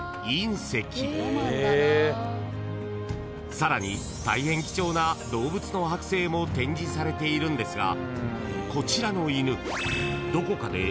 ［さらに大変貴重な動物の剥製も展示されているんですが］